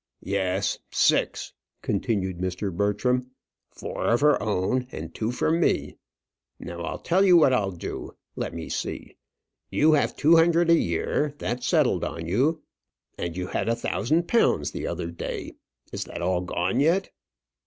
"Yes, six," continued Mr. Bertram; "four of her own, and two from me. Now I'll tell you what I'll do. Let me see. You have two hundred a year; that's settled on you. And you had a thousand pounds the other day. Is that all gone yet?"